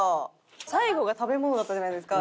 最後が食べ物だったじゃないですか。